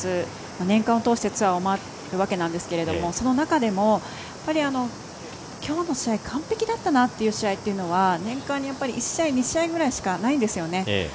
年間を通してツアーを回るわけなんですけどその中でもきょうの試合完璧だったなという試合は年間に１試合２試合ぐらいしかないんですよね。